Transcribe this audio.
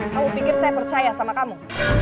kamu pikir saya percaya sama kamu